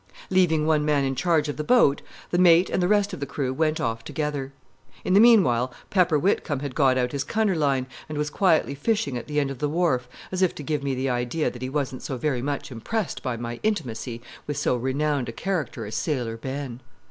Leaving one man in charge of the boat, the mate and the rest of the crew went off together. In the meanwhile Pepper Whitcomb had got out his cunner line, and was quietly fishing at the end of the wharf, as if to give me the idea that he wasn't so very much impressed by my intimacy with so renowned a character as Sailor Ben.